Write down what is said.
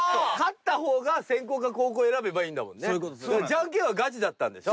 ジャンケンはガチだったんでしょ？